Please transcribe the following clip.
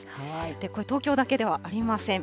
これ、東京だけではありません。